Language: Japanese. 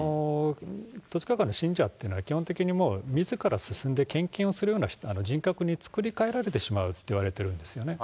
統一教会の信者というのは、基本的にもう、みずから進んで献金をするような人格に作り替えられてしまうと言われてるんですよね。